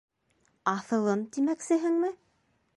Аҫылын, тимәксеһеңме?